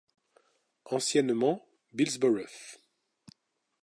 Anciennement Bilsborough.